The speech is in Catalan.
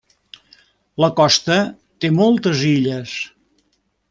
La costa té moltes illes.